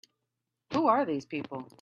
Who are these people?